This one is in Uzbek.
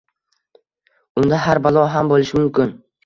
Unda, har balo ham bo‘lishi mumkin!